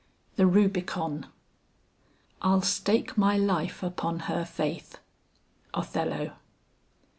THE RUBICON. "I'll stake my life upon her faith." OTHELLO.